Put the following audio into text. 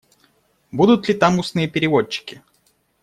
Будут ли там устные переводчики?